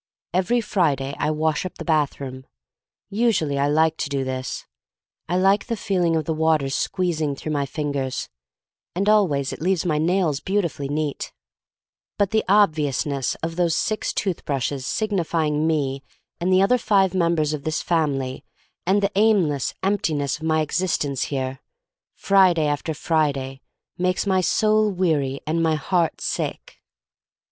Every Friday I wash up the bath room. Usually I like to do this. I like the feeling of the water squeezing through my fingers, and always it leaves my nails beautifully neat. But 122 THE STORY OF MARY MAC LANE 1 23 the obviousness of those six tooth brushes signifying me and the five other members of this family and the aim less emptiness of my existence here — Friday after Friday — makes my soul weary and my heart sick.